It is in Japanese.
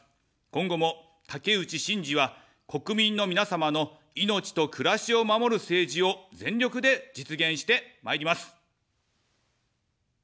今後も、竹内しんじは、国民の皆様の命と暮らしを守る政治を全力で実現してまいります。